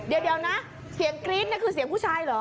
เดี๋ยวนะเสียงกรี๊ดนี่คือเสียงผู้ชายเหรอ